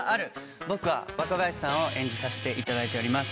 僕は若林さんを演じさせていただいております。